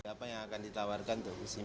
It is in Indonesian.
apa yang akan ditawarkan